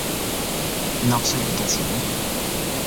納稅人嘅錢